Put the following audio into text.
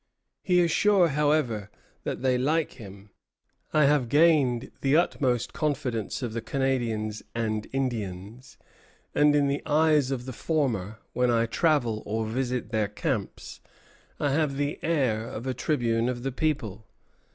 He is sure, however, that they like him: "I have gained the utmost confidence of the Canadians and Indians; and in the eyes of the former, when I travel or visit their camps, I have the air of a tribune of the people."